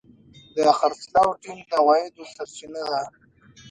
د خرڅلاو ټیم د عوایدو سرچینه ده.